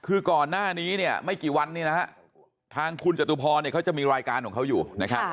คือก่อนหน้านี้เนี่ยไม่กี่วันนี้นะฮะทางคุณจตุพรเขาจะมีรายการของเขาอยู่นะครับ